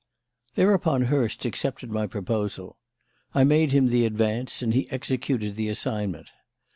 "Thereupon, Hurst accepted my proposal; I made him the advance and he executed the assignment.